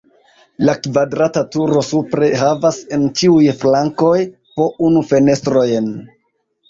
La kvadrata turo supre havas en ĉiuj flankoj po unu fenestrojn.